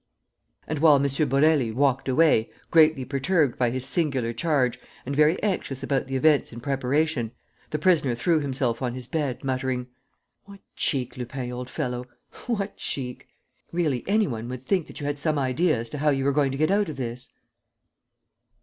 And, while M. Borély walked away, greatly perturbed by his singular charge and very anxious about the events in preparation, the prisoner threw himself on his bed, muttering: "What cheek, Lupin, old fellow, what cheek! Really, any one would think that you had some idea as to how you were going to get out of this!"